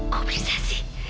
kok bisa sih